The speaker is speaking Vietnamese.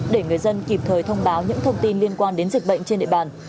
để người dân kịp thời thông báo những thông tin liên quan đến dịch bệnh trên địa bàn